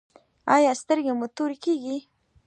ایا سترګې مو تورې کیږي؟